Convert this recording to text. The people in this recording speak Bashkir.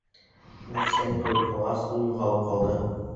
Нәфисәне күреп ҡалғас, ул юғалып ҡалды.